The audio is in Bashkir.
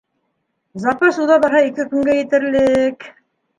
Запас уҙа барһа ике көнгә етерлек...